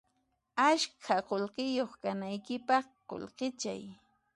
Ashka qullqiyuq kanaykipaq qullqichay